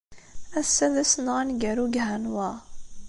Ass-a d ass-nneɣ aneggaru deg Hanoi.